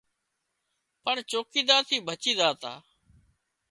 پڻ چوڪيدار ٿي بچي زاتا